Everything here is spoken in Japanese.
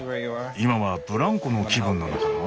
今はブランコの気分なのかな？